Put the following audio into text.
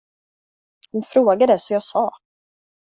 Hon frågade, så jag sa.